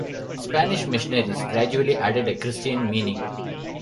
Spanish missionaries gradually added a Christian meaning.